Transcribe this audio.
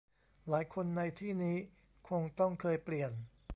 หลายคนในที่นี้คงต้องเคยเปลี่ยน